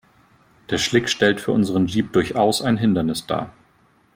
Der Schlick stellt für unseren Jeep durchaus ein Hindernis dar.